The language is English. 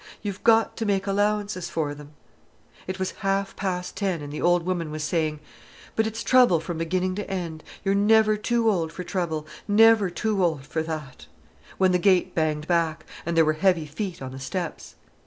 You've got to make allowances for them——" It was half past ten, and the old woman was saying: "But it's trouble from beginning to end; you're never too old for trouble, never too old for that——" when the gate banged back, and there were heavy feet on the steps.